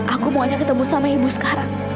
aku mau hanya ketemu sama ibu sekarang